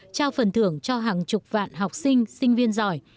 trao phần thưởng cho hàng chục vạn học sinh sinh viên giỏi